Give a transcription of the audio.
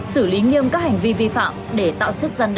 xử lý nghiêm các hành vi vi phạm để tạo sức gian đe